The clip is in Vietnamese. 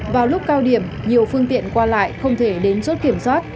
vào lúc cao điểm nhiều phương tiện qua lại không thể đến chốt kiểm soát